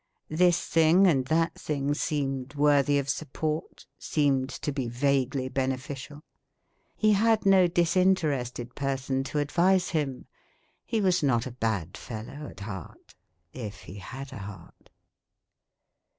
This thing and that thing seemed worthy of support seemed to be vaguely beneficial. He had no disinterested person to advise him. He was not a bad fellow at heart if he had a heart.